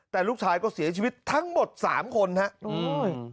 แต่ลูกชายก็เสียชีวิตทั้งหมด๓คนนะโอ้โห